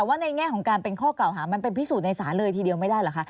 แต่ว่าในแง่ของการเป็นข้อกล่าวหามันเป็นพิสูจนในศาลเลยทีเดียวไม่ได้เหรอคะ